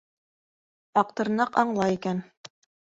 Аҡтырнаҡ аңлай икән.